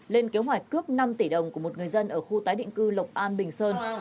lên kế hoạch cướp năm tỷ đồng của một người dân ở khu tái định cư lộc an bình sơn